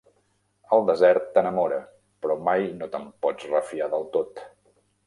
El desert t'enamora, però mai no te'n pots refiar del tot.